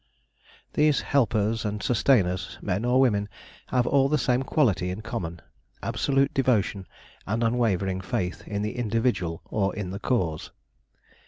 These helpers and sustainers, men or women, have all the same quality in common—absolute devotion and unwavering faith in the individual or in the cause.